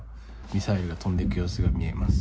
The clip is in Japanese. ミサイルが飛んでいく様子が見えます。